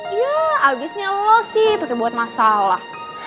ya abisnya lo sih pake buat masalah